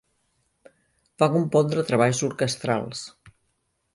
Va compondre treballs orquestrals.